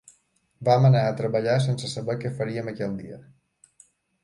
Vam anar a treballar sense saber què faríem aquell dia.